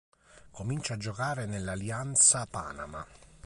Comincia a giocare nell'Alianza Panama.